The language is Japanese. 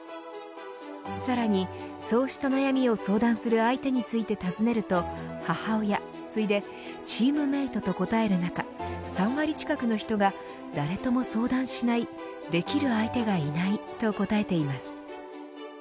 さらにそうした悩みを相談する相手について尋ねると母親、ついでチームメートと答える中３割近くの人が誰とも相談しないできる相手がいないと答えています。